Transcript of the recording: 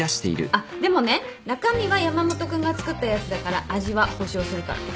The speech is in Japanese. あっでもね中身は山本君が作ったやつだから味は保証するから。